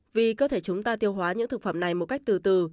vì cơ thể chúng ta tiêu hóa những thực phẩm này một cách từ từ